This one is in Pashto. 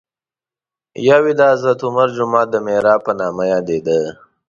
یو یې د حضرت عمر جومات د محراب په نامه یادېده.